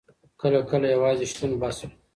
کله کله یوازې شتون بس وي.